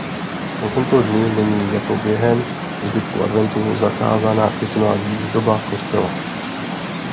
O tomto dni není jako během zbytku adventu zakázána květinová výzdoba kostela.